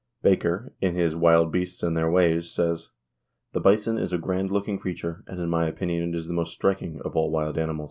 Baker, in his "Wild Beasts and Their Ways," says: "The bison is a grand looking creature, and in my opinion it is the most striking of all wild animals."